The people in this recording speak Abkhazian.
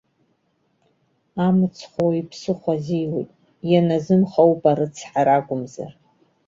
Амцхә уаҩ ԥсыхәа азиуеит, ианазымхо ауп арыцҳара акәымзар!